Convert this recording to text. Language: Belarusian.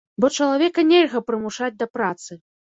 Бо чалавека нельга прымушаць да працы.